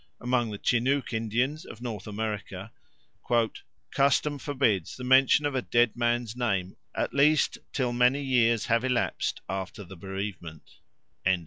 Among the Chinook Indians of North America "custom forbids the mention of a dead man's name, at least till many years have elapsed after the bereavement."